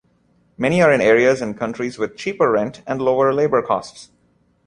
Many are in areas and countries with cheaper rent and lower labor costs.